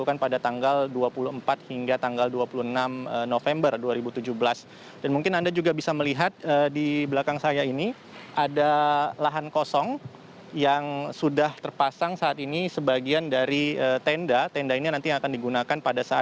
apa pertanyaan anda